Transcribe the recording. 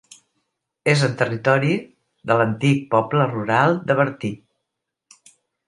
És en territori de l'antic poble rural de Bertí.